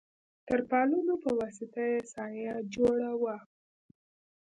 تر پالونو په واسطه سایه جوړه وه.